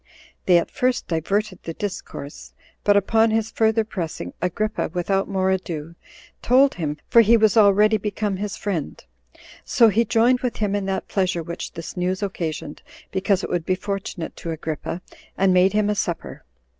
They at first diverted the discourse; but upon his further pressing, Agrippa, without more ado, told him, for he was already become his friend; so he joined with him in that pleasure which this news occasioned, because it would be fortunate to Agrippa, and made him a supper.